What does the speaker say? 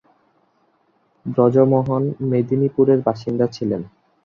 ব্রজমোহন মেদিনীপুরের বাসিন্দা ছিলেন।